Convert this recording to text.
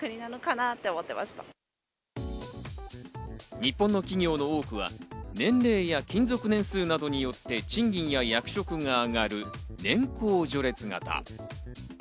日本の企業の多くは年齢や勤続年数などによって、賃金や役職が上がる年功序列型。